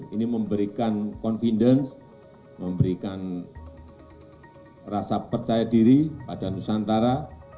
ini memberikan confidence memberikan rasa percaya diri pada nusantara